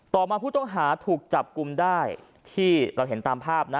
ต่อมาผู้ต้องหาถูกจับกลุ่มได้ที่เราเห็นตามภาพนะ